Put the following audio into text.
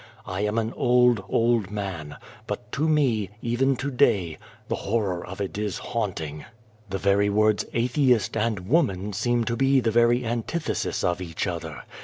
I am an old, old man, but to me, even to day, the horror of it is haunting. " The words ' atheist ' and * woman ' seem to be the very antithesis of each other.